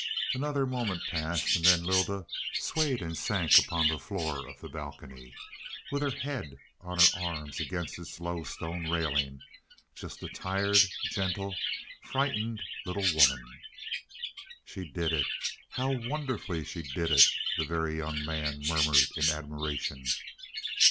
Another moment passed, and then Lylda swayed and sank upon the floor of the balcony, with her head on her arms against its low stone railing just a tired, gentle, frightened little woman. "She did it how wonderfully she did it," the Very Young Man murmured in admiration.